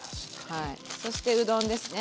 そしてうどんですね。